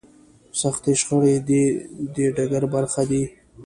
سختې شخړې د دې ډګر برخه دي.